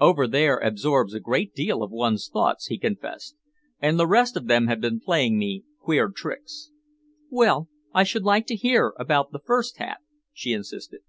"Over there absorbs a great deal of one's thoughts," he confessed, "and the rest of them have been playing me queer tricks." "Well, I should like to hear about the first half," she insisted.